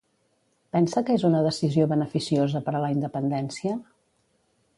Pensa que és una decisió beneficiosa per a la independència?